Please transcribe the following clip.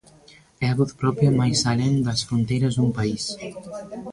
É a voz propia máis alén das fronteiras dun país.